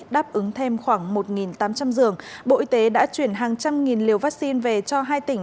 đáp ứng thêm khoảng một tám trăm linh giường bộ y tế đã chuyển hàng trăm nghìn liều vaccine về cho hai tỉnh